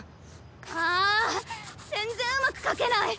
あっ全然うまく描けない！